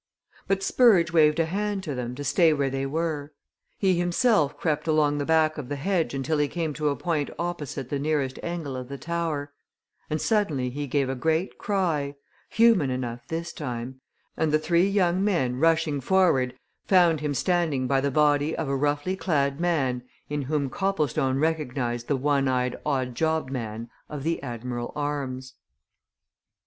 But Spurge waved a hand to them to stay where they were. He himself crept along the back of the hedge until he came to a point opposite the nearest angle of the tower. And suddenly he gave a great cry human enough this time! and the three young men rushing forward found him standing by the body of a roughly clad man in whom Copplestone recognized the one eyed odd job man of the "Admiral's Arms."